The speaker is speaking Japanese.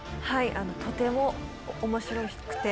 とても面白くて。